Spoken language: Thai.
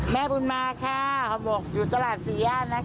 แม่บุญมาค่ะเขาบอกอยู่ตลาดสี่ย่านนะคะ